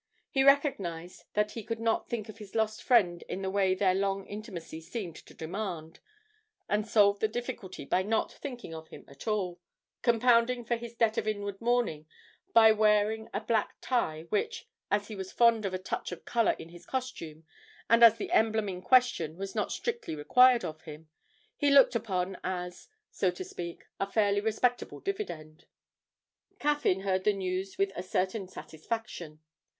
He recognised that he could not think of his lost friend in the way their long intimacy seemed to demand, and solved the difficulty by not thinking of him at all, compounding for his debt of inward mourning by wearing a black tie, which, as he was fond of a touch of colour in his costume, and as the emblem in question was not strictly required of him, he looked upon as, so to speak, a fairly respectable dividend. Caffyn heard the news with a certain satisfaction.